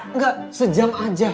engga sejam aja